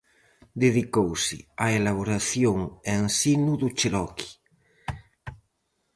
Dedicouse á elaboración e ensino do cheroqui.